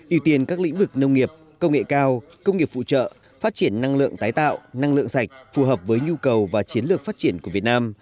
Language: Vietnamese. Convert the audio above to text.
ưu tiên các lĩnh vực nông nghiệp công nghệ cao công nghiệp phụ trợ phát triển năng lượng tái tạo năng lượng sạch phù hợp với nhu cầu và chiến lược phát triển của việt nam